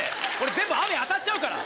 全部雨当たっちゃうから。